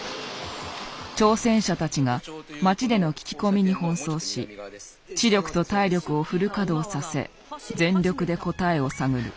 挑戦者たちが街での聞き込みに奔走し知力と体力をフル稼働させ全力で答えを探る。